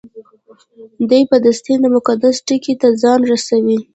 دی په دستي د مقصد ټکي ته ځان رسوي.